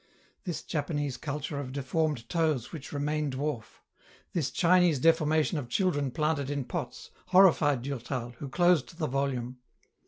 This Japanese culture of deformed toes which remain dwarf ; this Chinese deformation of children planted in pots, horrified Durtal, who closed the volume.